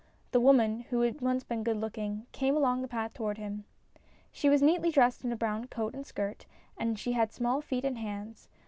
The woman, who had once been good looking, came along the path towards him. She was neatly dressed in a brown coat and skirt, and she had small feet and hands.